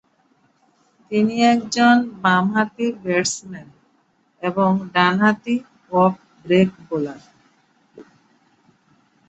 তিনি একজন বামহাতি ব্যাটসম্যান এবং ডানহাতি অফ ব্রেক বোলার।